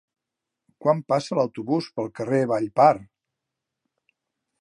Quan passa l'autobús pel carrer Vallpar?